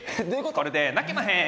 これで泣けまへん！